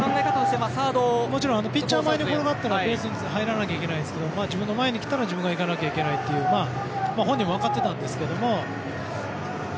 ピッチャー前に転がったらベースに入らないといけないですけど自分の前に来たら自分が入らないといけないと本人も分かってたんですけど。